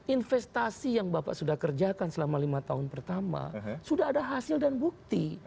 investasi yang bapak sudah kerjakan selama lima tahun pertama sudah ada hasil dan bukti